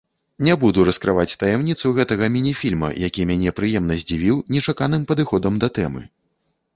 Не буду раскрываць таямніцу гэтага міні-фільма, які мяне прыемна здзівіў нечаканым падыходам да тэмы.